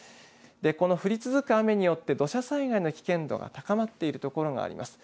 この降り続く雨によって土砂災害の危険度が高まっている所があります。